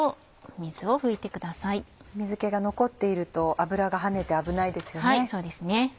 水気が残っていると油が跳ねて危ないですよね。